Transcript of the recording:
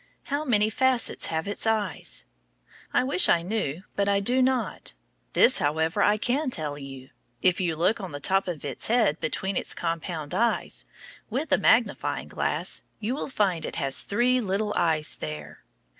How many facets have its eyes? I wish I knew, but I do not. This, however, I can tell you. If you look on the top of its head between its compound eyes, with a magnifying glass, you will find it has three little eyes there.